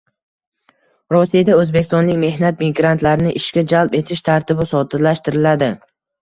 Rossiyada o‘zbekistonlik mehnat migrantlarini ishga jalb etish tartibi soddalashtiriladi